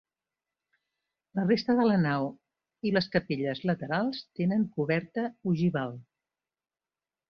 La resta de la nau i les capelles laterals tenen coberta ogival.